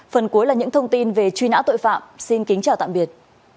phần cuối là những thông tin về truy nã tội phạm xin kính chào tạm biệt